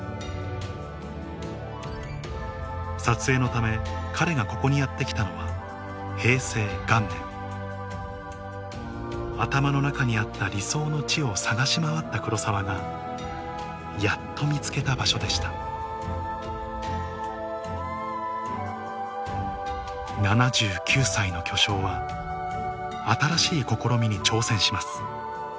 撮影のため彼がここにやって来たのは平成元年頭の中にあった理想の地を探し回った黒澤がやっと見つけた場所でした７９歳の巨匠は新しい試みに挑戦します